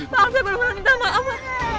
maaf saya belum mau ditama